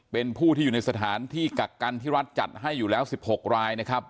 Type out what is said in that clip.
เป็นผู้ที่อยู่ในสถานที่กักกันที่รัฐจัดให้อยู่แล้ว๑๖รายนะครับ